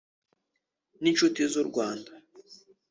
n’inshuti z’u Rwanda